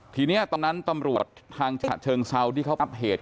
ทีนี้ตอนนั้นตำรวจทางฉะเชิงเซาที่เขาอัปเดต